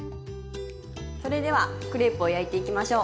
それではクレープを焼いていきましょう。